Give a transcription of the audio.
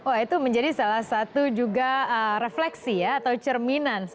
oh itu menjadi salah satu juga refleksi ya atau cerminan